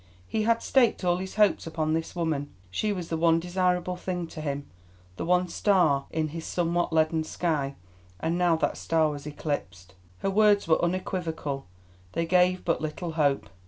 He had staked all his hopes upon this woman. She was the one desirable thing to him, the one star in his somewhat leaden sky, and now that star was eclipsed. Her words were unequivocal, they gave but little hope.